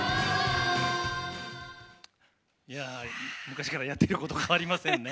昔からやってること変わりませんね。